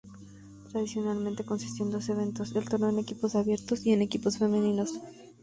Tradicionalmente consistió en dos eventos, el torneo en equipos abiertos y en equipos femeninos.